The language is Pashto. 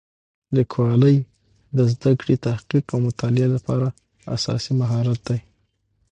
لیکوالی د زده کړې، تحقیق او مطالعې لپاره اساسي مهارت دی.